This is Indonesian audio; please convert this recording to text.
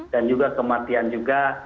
dan juga kematian juga